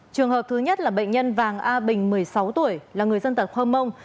trường hợp thứ nhất là bệnh nhân vàng a bình một mươi sáu tuổi là người dân tộc hơ mông